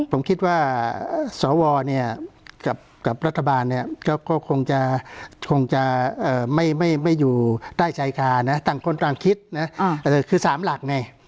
ผมคิดว่าสอวรกับรัฐบาลก็คงจะไม่อยู่ใต้ชายคาต่างคนต่างคิดคือสามหลัก